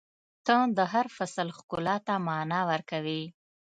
• ته د هر فصل ښکلا ته معنا ورکوې.